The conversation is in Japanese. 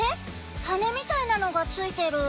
羽みたいなのがついてる。